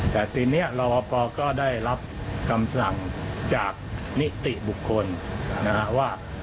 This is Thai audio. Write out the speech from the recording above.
แต่ทีนี้รอปภก็ได้รับคำสั่งจากนิติบุคคลนะฮะว่า